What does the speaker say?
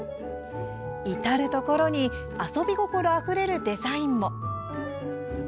至る所に遊び心あふれるデザインも。